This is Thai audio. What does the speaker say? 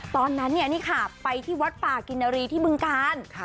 ตอนนั้นเนี่ยนี่ค่ะไปที่วัดป่ากินรีที่บึงกาล